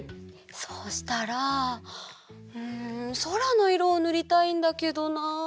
そうしたらんそらのいろをぬりたいんだけどな。